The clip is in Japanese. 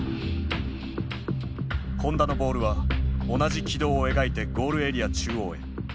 本田のボールは同じ軌道を描いてゴールエリア中央へ。